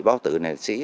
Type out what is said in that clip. báo tử là liệt sĩ